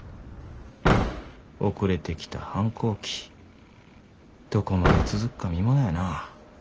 遅れてきた反抗期どこまで続くか見ものやな。